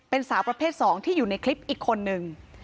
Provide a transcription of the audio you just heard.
เป็นสาวประเภท๒ที่อยู่ในคลิปอีกคนนึง